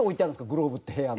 グローブって部屋の。